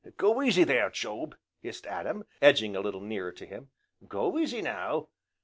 "Go easy there, Job!" hissed Adam, edging a little nearer to him, "go easy, now, Nineteen!"